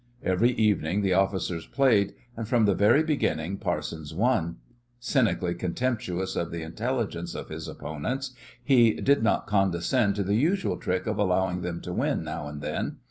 Every evening the officers played, and from the very beginning Parsons won. Cynically contemptuous of the intelligence of his opponents, he did not condescend to the usual trick of allowing them to win now and then.